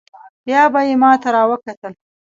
بيا به يې ما ته راوکتل.